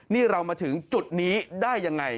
นี่เรามาถึงจุดนี้ได้ยังไง